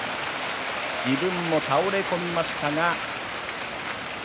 自分も倒れ込みましたが。